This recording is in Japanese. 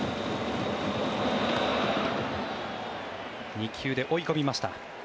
２球で追い込みました。